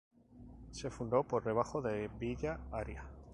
Se fundó por debajo de Villa Aria.